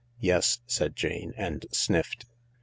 "Yes," said Jane, and sniffed.